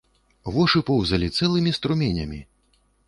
Вошы поўзалі цэлымі струменямі!